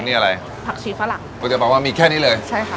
นี่อะไรผักชีฝรั่งก๋วยเตียบอกว่ามีแค่นี้เลยใช่ค่ะ